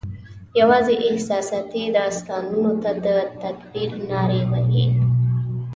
یوازي احساساتي داستانونو ته د تکبیر نارې وهي